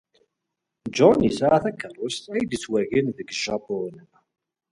John yesɛa takeṛṛust ay d-yettewgen deg Japun.